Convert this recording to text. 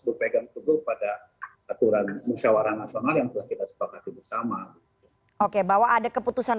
berpegang tegur pada aturan musyawarah nasional yang kita sepakat bersama oke bahwa ada keputusan